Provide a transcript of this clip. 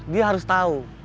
dia harus tahu